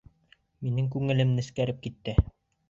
Минең күңелем нескәреп китте.